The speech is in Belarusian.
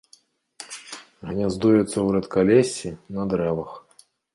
Гняздуецца ў рэдкалессі, на дрэвах.